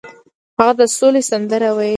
هغه د سولې سندرې ویلې.